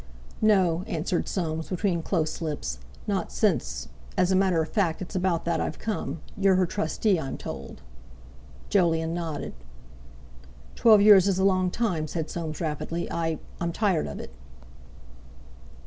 "No," answered Soames between close lips, "not since—as a matter of fact, it's about that I've come. You're her trustee, I'm told." Jolyon nodded. "Twelve years is a long time," said Soames rapidly: "I—I'm tired of it."